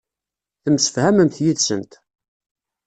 Temsefhamemt yid-sent.